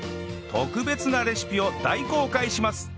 特別なレシピを大公開します！